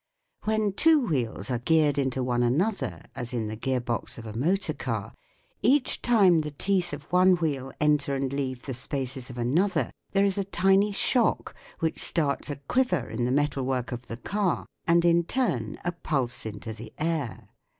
When two wheels are geared into one another, as in the gear box of a motor car, each time the teeth of one wheel enter and leave the spaces of another, there is a tiny shock which starts a quiver in the metalvvork of the car and in turn a pulse into the air.